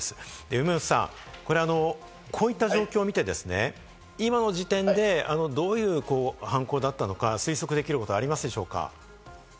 梅本さん、こういった状況を見て今の時点でどういう犯行だったのか推測できることはありますでしょうか？